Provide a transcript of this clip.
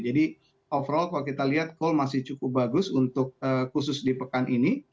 jadi overall kalau kita lihat kohl masih cukup bagus untuk khusus di pekan ini